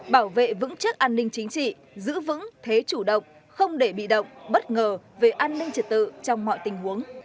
bảo vệ vững chắc an ninh chính trị giữ vững thế chủ động không để bị động bất ngờ về an ninh trật tự trong mọi tình huống